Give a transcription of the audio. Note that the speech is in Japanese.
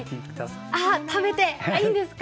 食べていいんですか？